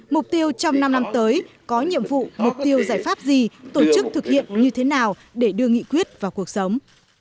mục tiêu trong năm năm tới có nhiệm vụ mục tiêu giải pháp gì tổ chức thực hiện như thế nào để đưa nghị quyết vào cuộc sống